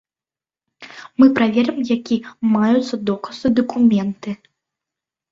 Мы праверым, якія маюцца доказы, дакументы.